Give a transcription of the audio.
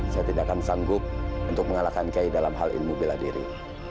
saya tidak akan sanggup untuk mengalahkan kiai dalam hal ilmu bela diri